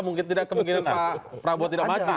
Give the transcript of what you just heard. mungkin tidak kemungkinan pak prabowo tidak maju